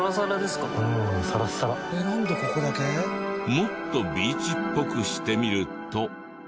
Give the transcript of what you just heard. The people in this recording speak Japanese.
もっとビーチっぽくしてみると。